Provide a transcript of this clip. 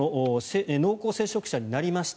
濃厚接触者になりました